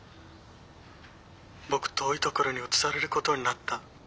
僕遠い所に移されることになった。